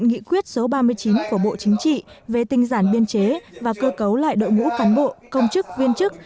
nghị quyết số ba mươi chín của bộ chính trị về tinh giản biên chế và cơ cấu lại đội ngũ cán bộ công chức viên chức